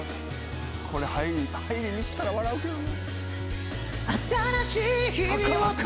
これ入りミスったら笑うけどな。